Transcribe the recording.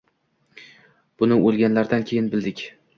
Buni o‘lganlaridan keyin bildik!